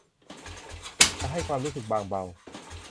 จะให้ความรู้สึกบางเบา